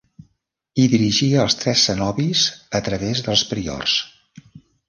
Hi dirigia els tres cenobis a través dels priors.